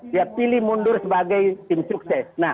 dia pilih mundur sebagai tim sukses